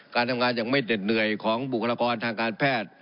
การทำงานยังไม่เด็ดเหนื่อยของบุคลากรทางการแพทย์